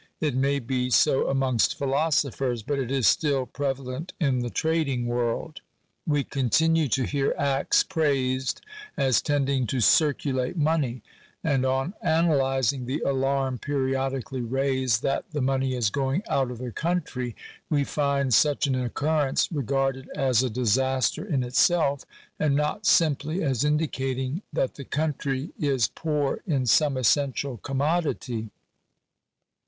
It may be so amongst philosophers, but it is still prevalent in the trading world. We continue to hear acts praised as tending to " circulate money ;" and on analyzing the alarm periodically raised that " the money is going out of the country," we find such an occurrence regarded as a disaster i» itself, and not simply as indicating that the country is poor in some essential commodity.